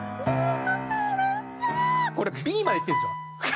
これＢまでいってるんですよ。